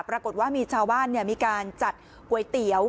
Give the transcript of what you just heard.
ปรากฏว่ามีชาวบ้านมีการจัดก๋วยเตี๋ยว